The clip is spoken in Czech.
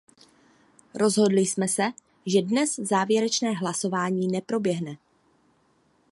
Rozhodli jsme se, že dnes závěrečné hlasování neproběhne.